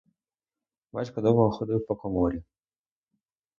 Батько довго ходив по коморі.